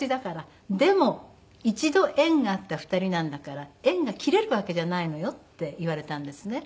「でも一度縁があった２人なんだから縁が切れるわけじゃないのよ」って言われたんですね。